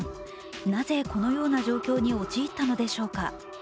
なぜ、このような状況に陥ったのでしょうか。